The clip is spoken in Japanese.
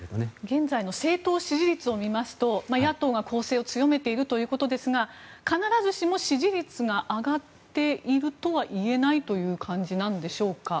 現在の政党支持率を見ますと野党が攻勢を強めているということですが必ずしも支持率が上がっているとは言えないという感じなんでしょうか？